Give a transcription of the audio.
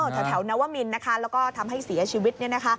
แถวนวมินแล้วก็ทำให้เสียชีวิต